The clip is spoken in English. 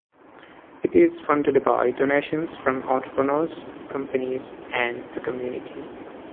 It is funded by donations from entrepreneurs, companies, and the community.